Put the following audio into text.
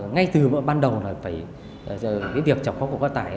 ngay từ ban đầu việc chọc khóa của quá tài